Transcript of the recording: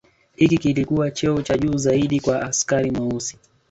Hiki kilikua cheo cha juu zaidi kwa askari Mweusi